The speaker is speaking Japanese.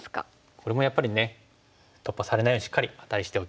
これもやっぱりね突破されないようにしっかりアタリしておきます。